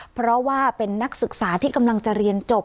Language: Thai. เพราะว่าเป็นนักศึกษาที่กำลังจะเรียนจบ